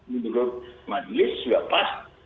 menurut majelis sudah pas